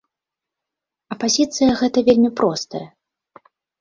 А пазіцыя гэта вельмі простая.